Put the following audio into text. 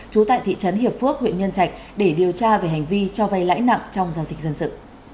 trú tại thị trấn hiệp phước huyện nhân trạch để điều tra về hành vi cho vay lãi nặng trong giao dịch dân sự